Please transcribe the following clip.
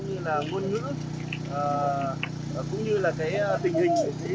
như là ngôn ngữ cũng như là cái tình hình